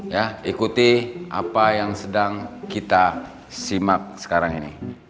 ya ikuti apa yang sedang kita simak sekarang ini